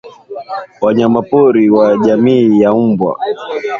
wanyamapori wa jamii ya mbwa